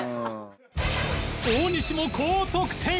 大西も高得点！